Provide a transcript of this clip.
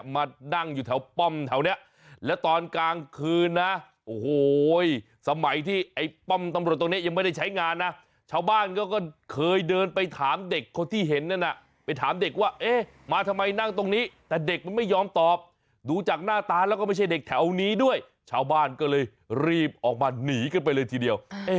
มานั่งอยู่แถวป้อมแถวนี้